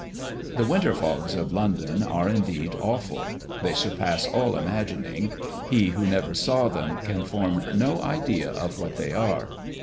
The winter fogs of London are, indeed, awful. They surpass all imagining; he who never saw them, can form no idea of what they are.